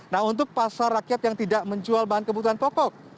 nah untuk pasar rakyat yang tidak menjual bahan kebutuhan pokok